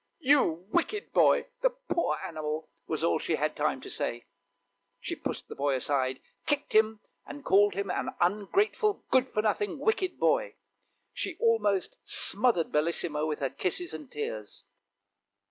"You wicked boy! the poor animal!" was all she had time to say. She pushed the boy aside, kicked him, and called him an ungrateful, good for nothing, wicked boy. She almost smothered Bellissima with her kisses and tears.